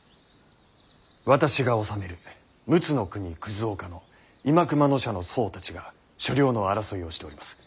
私が治める陸奥国岡の新熊野社の僧たちが所領の争いをしております。